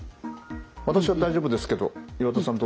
私は大丈夫ですけど岩田さん